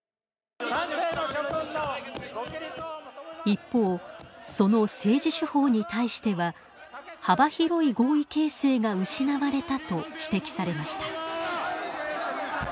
一方、その政治手法に対しては幅広い合意形成が失われたと指摘されました。